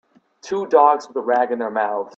Two dogs with a rag in their mouths